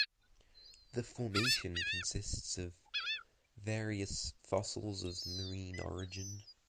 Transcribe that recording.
The formation consists of various fossils of marine origin.